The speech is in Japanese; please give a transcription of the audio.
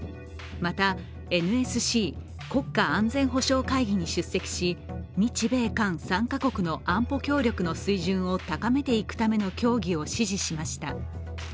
またＮＳＣ＝国家安全保障会議に出席し、日米韓３か国の安保協力の水準を高めていくための協議を指示しました。